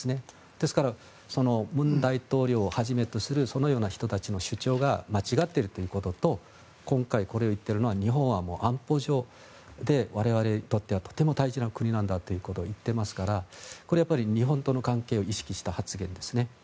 ですから文大統領をはじめとするそのような人たちの主張が間違っているということと今回、これを言っているのは日本は安保上我々にとってはとても大事な国なんだということを言っていますからこれは日本との関係を意識した発言ですね。